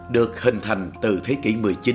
được hình thành từ thế kỷ một mươi chín